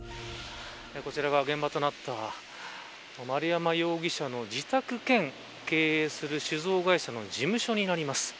こちらが現場となった丸山容疑者の自宅兼経営する酒造会社の事務所になります。